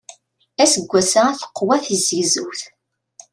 Aseggas-a teqwa tizegzewt.